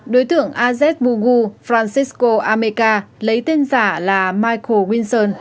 đối tượng azed bugu francisco ameca lấy tên giả là michael winston